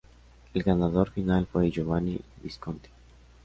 El ganador final fue Giovanni Visconti.